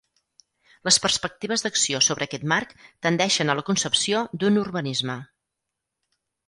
Les perspectives d'acció sobre aquest marc tendeixen a la concepció d'un urbanisme.